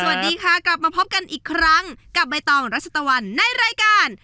สวัสดีค่ะกลับมาพบกันอีกครั้งกับใบตองรัชตะวันในรายการ